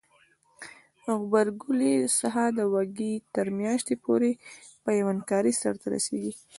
د غبرګولي څخه د وږي تر میاشتې پورې پیوند کاری سرته رسیږي.